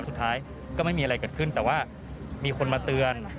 สุดท้ายก็ไม่มีอะไรเกิดขึ้นแต่ว่ามีคนมาเตือน